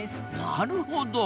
なるほど。